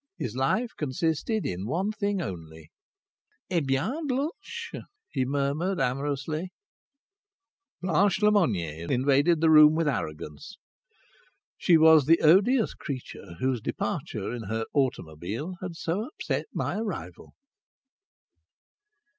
His life consisted in one thing only. "Eh bien, Blanche!" he murmured amorously. Blanche Lemonnier invaded the room with arrogance. She was the odious creature whose departure in her automobile had so upset my arrival.